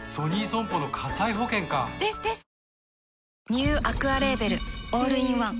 ニューアクアレーベルオールインワン